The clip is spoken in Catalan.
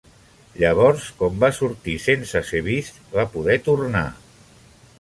Llavors, com va sortir sense ser vist, va poder tornar.